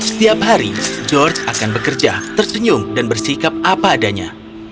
setiap hari george akan bekerja tersenyum dan bersikap apa adanya